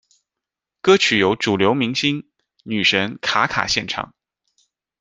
歌曲由主流明星女神卡卡献唱。